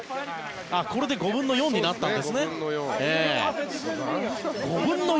これで５分の４になったんですね。